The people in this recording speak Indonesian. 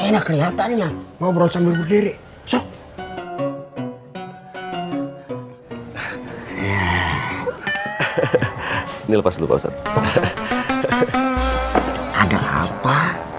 enak kelihatannya mau berosong berdiri cok ini lepas lupa ustadz ada apa